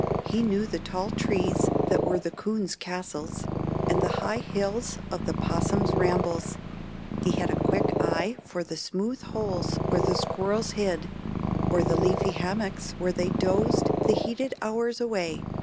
He knew the tall trees that were the coons' castles, and the high hills of the 'possum's rambles. He had a quick eye for the smooth holes where the squirrels hid or the leafy hammocks where they dozed the heated hours away.